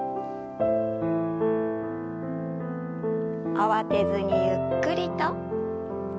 慌てずにゆっくりと。